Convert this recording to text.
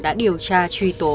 đã điều tra truy tố